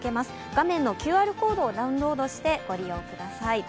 画面のＱＲコードをダウンロードしてご利用ください。